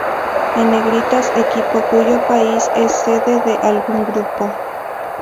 En negritas equipo cuyo país es sede de algún grupo.